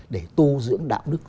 để tu dưỡng đạo đức